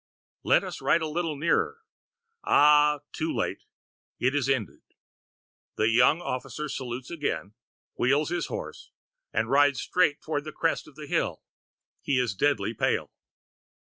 Let us ride a little nearer. Ah! too late it is ended. The young officer salutes again, wheels his horse, and rides straight toward the crest of the hill. He is deadly pale.